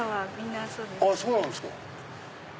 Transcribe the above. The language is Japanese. そうなんですか。